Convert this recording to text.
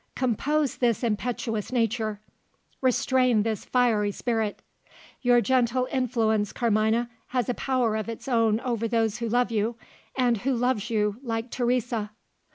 Compose this impetuous nature; restrain this fiery spirit. Your gentle influence, Carmina, has a power of its own over those who love you and who loves you like Teresa?